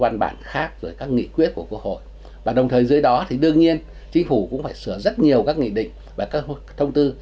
người dưới đó thì đương nhiên chính phủ cũng phải sửa rất nhiều các nghị định và các thông tư